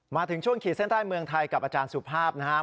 มาถึงช่วงขีดเส้นใต้เมืองไทยกับอาจารย์สุภาพนะครับ